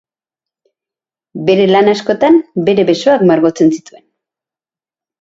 Bere lan askotan, bere besoak margotzen zituen.